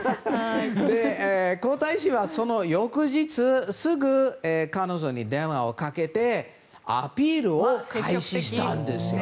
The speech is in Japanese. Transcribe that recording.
皇太子はその翌日すぐ彼女に電話をかけてアピールを開始したんですよ。